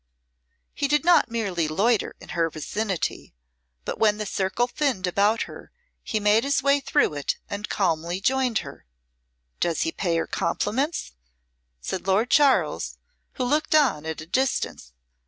He did not merely loiter in her vicinity, but when the circle thinned about her he made his way through it and calmly joined her. "Does he pay her compliments?" said Lord Charles, who looked on at a distance.